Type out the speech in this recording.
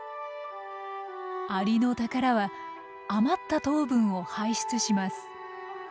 アリノタカラは余った糖分を排出します。